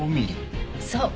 そう。